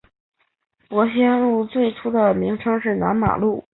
伯先路最初的名称是南马路。